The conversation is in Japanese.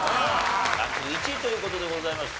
ランク１という事でございました。